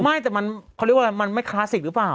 ไม่แต่มันเขาเรียกว่ามันไม่คลาสสิกหรือเปล่า